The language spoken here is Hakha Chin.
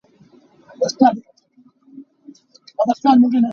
Nemtein a holh.